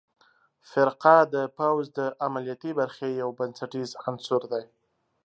فرقه د پوځ د عملیاتي برخې یو بنسټیز عنصر دی.